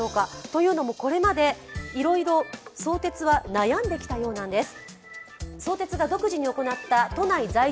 というのもこれまで、いろいろ相鉄は悩んできたようなんです。